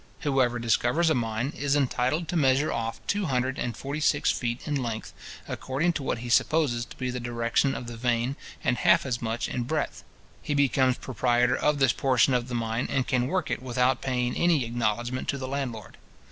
Whoever discovers a new mine, is entitled to measure off two hundred and forty six feet in length, according to what he supposes to be the direction of the vein, and half as much in breadth. He becomes proprietor of this portion of the mine, and can work it without paving any acknowledgment to the landlord.